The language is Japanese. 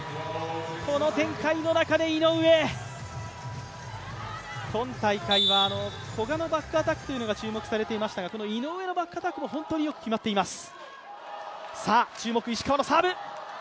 この展開の中で井上、今大会は古賀のバックアタックが注目されていましたがこの井上のバックアタックも本当によく決まっています。